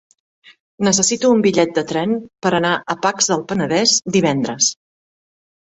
Necessito un bitllet de tren per anar a Pacs del Penedès divendres.